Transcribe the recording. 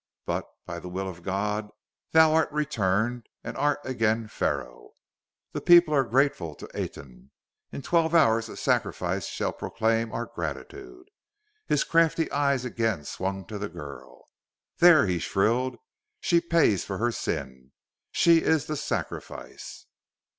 But, by the will of the God, thou art returned and art again Pharaoh. Thy people are grateful to Aten. In twelve hours a sacrifice shall proclaim our gratitude." His crafty eyes again swung to the girl. "There!" he shrilled, " she pays for her sin. She is the sacrifice!"